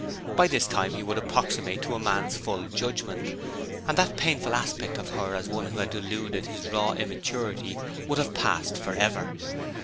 By this time he would approximate to a man's full judgment, and that painful aspect of her as one who had deluded his raw immaturity would have passed for ever.